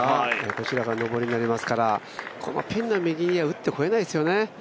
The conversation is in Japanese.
こちらが上りになりますからピンの右には打ってこれないですよね。